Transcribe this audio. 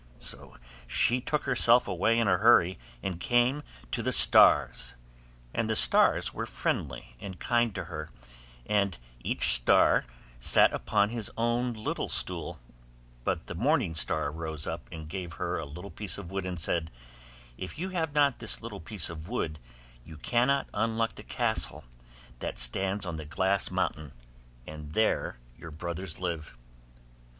so she took herself away in a hurry and came to the stars, and the stars were friendly and kind to her, and each star sat upon his own little stool; but the morning star rose up and gave her a little piece of wood, and said, 'If you have not this little piece of wood, you cannot unlock the castle that stands on the glass mountain, and there your brothers live.